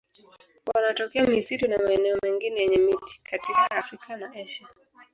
Wanatokea misitu na maeneo mengine yenye miti katika Afrika na Asia.